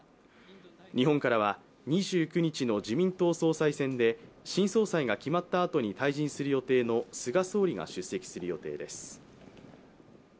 日本からは２９日の自民党総裁選で新総裁が決まったあとに退陣する予定の菅総理が出席する予定です。